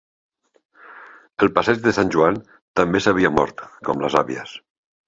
El Passeig de Sant Joan també s'havia mort, com les avies